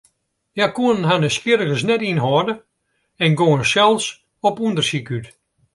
Hja koene harren nijsgjirrigens net ynhâlde en gongen sels op ûndersyk út.